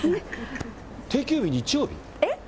定休日、日曜日？